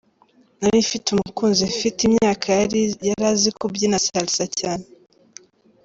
Nari mfite umukunzi mfite imyaka yari azi kubyina Salsa cyane.